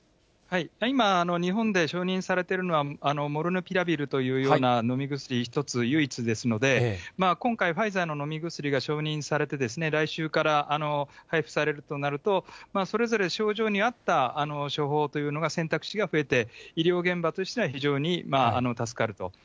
今、日本で承認されてるのは、モルヌピラビルというような飲み薬１つ、唯一ですので、今回、ファイザーの飲み薬が承認されて、来週から配布されるとなると、それぞれ症状に合った処方というのが選択肢が増えて、医療現場としては非常に助かると。